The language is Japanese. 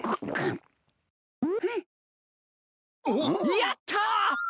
やった！